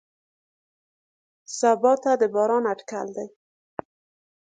سبا ته د باران اټکل دی.